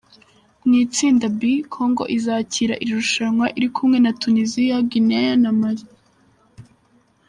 Mu itsinda B, Congo izakira iri rushanwa iri kumwe na Tuniziya, Guinea na Mali.